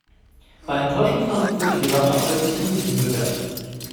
Bei einem Täuschungsversuch wird die gesamte Arbeit mit ungenügend bewertet.